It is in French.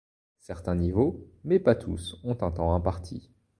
Certains niveaux, mais pas tous, ont un temps imparti.